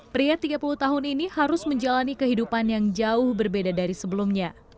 pria tiga puluh tahun ini harus menjalani kehidupan yang jauh berbeda dari sebelumnya